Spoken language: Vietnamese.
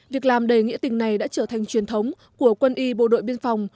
việc làm đầy nghĩa tình này đã trở thành truyền thống của quân y bộ đội biên phòng